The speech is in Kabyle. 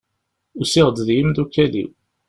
Usiɣ-d d yimdukal-iw.